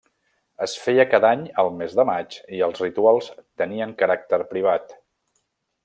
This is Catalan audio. Es feia cada any al mes de maig i els rituals tenien caràcter privat.